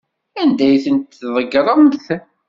Anda ay tent-tḍeggremt?